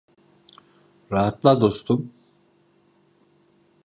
Rahatla dostum.